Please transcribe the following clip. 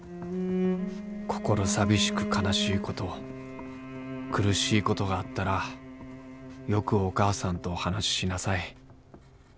心寂しく悲しいこと苦しいことがあったらよくお母さんとお話ししなさい。